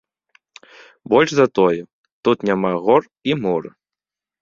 Больш за тое, тут няма гор і мора.